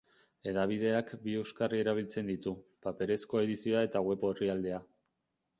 Hedabideak bi euskarri erabiltzen ditu, paperezko edizioa eta web orrialdea.